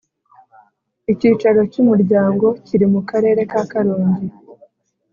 Icyicaro cyUmuryango kiri mu Karere ka Karongi